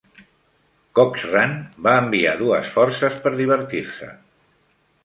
Cochrane va enviar dues forces per divertir-se.